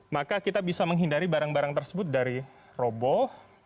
maka kita bisa menghindari barang barang tersebut dari roboh